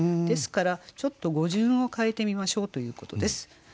ですからちょっと語順を変えてみましょうということです。